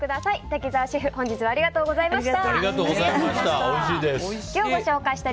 滝沢シェフ本日はありがとうございました。